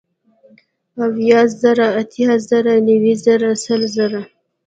اويه زره ، اتيا زره نوي زره سل زره